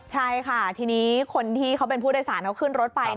ใช่ค่ะทีนี้คนที่เขาเป็นผู้โดยสารเขาขึ้นรถไป